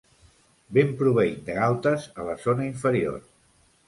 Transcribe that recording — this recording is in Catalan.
Ben proveït de galtes a la zona inferior.